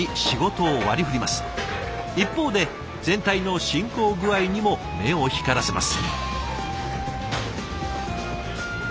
一方で全体の進行具合にも目を光らせます。